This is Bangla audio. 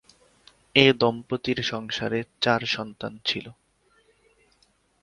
এ দম্পতির সংসারে চার সন্তান ছিল।